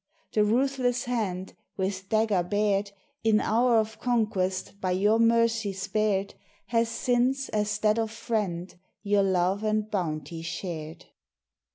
The ruthless hand, with dagger bared, In hour of conquest, by your mercy spared, Has since, as that of friend, your love and bounty shared.